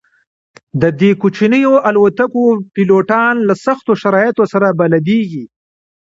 د دې کوچنیو الوتکو پیلوټان له سختو شرایطو سره بلدیږي